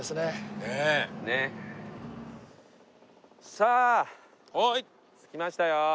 さあ着きましたよ。